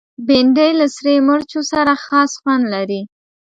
بېنډۍ له سرې مرچو سره خاص خوند لري